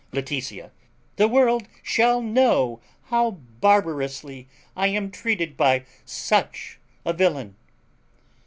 Laetitia. The world shall know how barbarously I am treated by such a villain.